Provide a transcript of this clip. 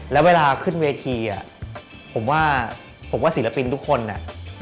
แล้วเวลาขึ้นเวทีอะผมว่าศิลปินทุกคนเนี่ย